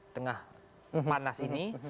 tengah panas ini